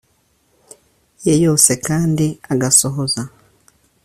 ye yose kandi agasohoza